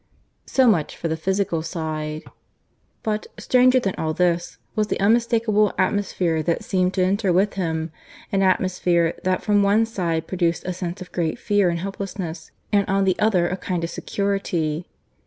So much for the physical side. But, stranger than all this, was the unmistakable atmosphere that seemed to enter with him an atmosphere that from one side produced a sense of great fear and helplessness, and on the other of a kind of security.